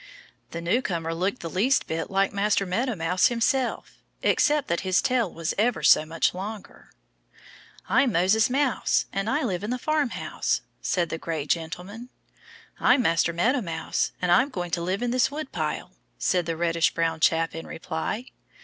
The newcomer looked the least bit like Master Meadow Mouse himself, except that his tail was ever so much longer. "I'm Moses Mouse and I live in the farmhouse," said the gray gentleman. "I'm Master Meadow Mouse and I'm going to live in this woodpile," said the reddish brown chap in reply.